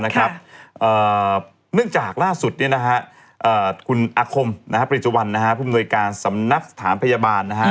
เนื่องจากล่าสุดคุณอาคมปริจุวรรณผู้มนวยการสำนักสถานพยาบาล